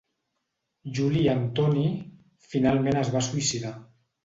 Juli Antoni, finalment es va suïcidar.